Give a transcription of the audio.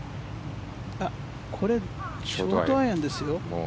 これショートアイアンですよ。